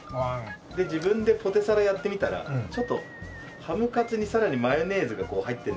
で自分でポテサラやってみたらちょっとハムカツにさらにマヨネーズが入ってるのが重たくって。